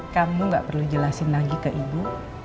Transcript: kamu gak perlu jelasin lagi ke ibu